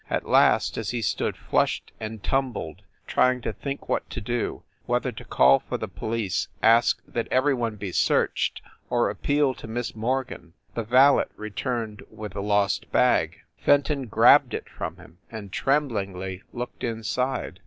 At last, as he stood, flushed and tumbled, trying to think what to do whether to call for the police, ask that everyone be searched, or appeal to Miss Morgan the valet returned with the lost bag. Fenton grabbed it from him, and tremblingly looked inside.